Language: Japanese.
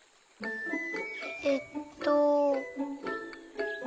えっと。